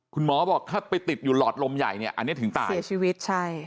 คุณหมอบอกถ้าไปติดอยู่หลอดลมใหญ่เนี่ยอันนี้ถึงตายเสียชีวิตใช่